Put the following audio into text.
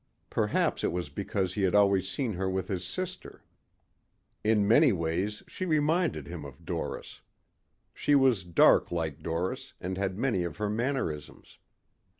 Perhaps it was because he had always seen her with his sister. In many ways she reminded him of Doris. She was dark like Doris and had many of her mannerisms.